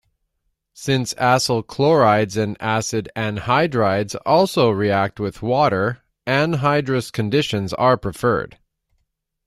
Since acyl chlorides and acid anhydrides also react with water, anhydrous conditions are preferred.